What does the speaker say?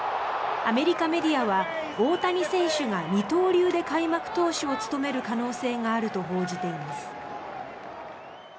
アメリカメディアは大谷選手が二刀流で開幕投手を務める可能性があると報じています。